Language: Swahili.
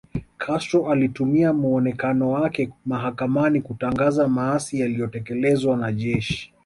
Castro alitumia muonekano wake mahakamani kutangaza maasi yaliyotekelezwa na jeshi